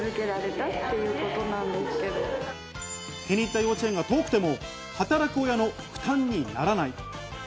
気に入った幼稚園が遠くても、働く親の負担にならない。